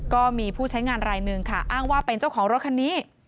ก็มีผู้ใช้งานรายหนึ่งค่ะอ้างว่าเป็นเจ้าของรถคันนี้